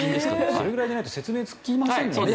それぐらいじゃないと説明がつきませんね。